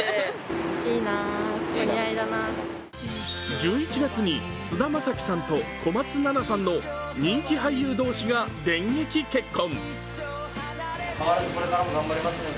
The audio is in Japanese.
１１月に菅田将暉さんと小松菜奈さんの人気俳優同士が電撃結婚。